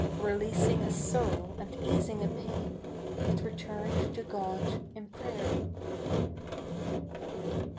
Releasing a sorrow and easing a pain, It returned to God in prayer.